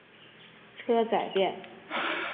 车仔电。